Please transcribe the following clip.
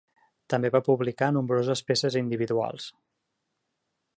També va publicar nombroses peces individuals.